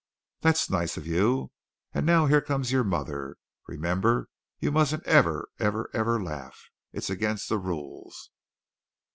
"That's nice of you. And now here comes your mother. Remember, you mustn't ever, ever, ever laugh. It's against the rules."